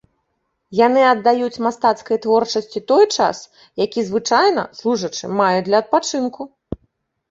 Яны аддаюць мастацкай творчасці той час, які звычайна служачы мае для адпачынку.